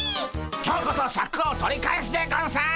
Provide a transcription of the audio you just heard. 今日こそシャクを取り返すでゴンス。